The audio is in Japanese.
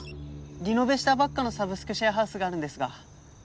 リノベしたばっかのサブスクシェアハウスがあるんですが。